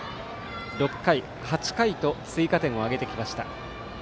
６回、８回と追加点を挙げてきました。